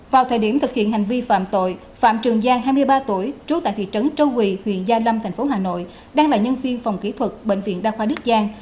vào thời điểm thực hiện hành vi phạm tội phạm trường giang hai mươi ba tuổi trú tại thị trấn châu quỳ huyện gia lâm thành phố hà nội đang là nhân viên phòng kỹ thuật bệnh viện đa khoa đức giang